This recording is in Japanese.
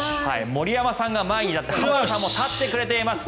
森山さんが前に浜田さんも立ってくれています。